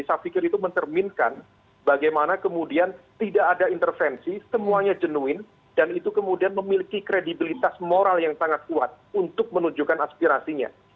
saya pikir itu mencerminkan bagaimana kemudian tidak ada intervensi semuanya jenuin dan itu kemudian memiliki kredibilitas moral yang sangat kuat untuk menunjukkan aspirasinya